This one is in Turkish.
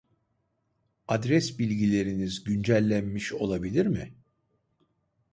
Adres bilgileriniz güncellenmiş olabilir mi?